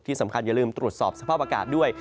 ที่สำคัญอย่าลืมตรวจสอบสภาพอากาศด้วย